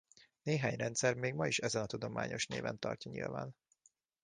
Néhány rendszer még ma is ezen a tudományos néven tartja nyilván.